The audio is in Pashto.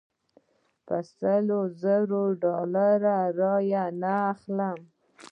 په سلو زرو ډالرو رایې نه اخلم.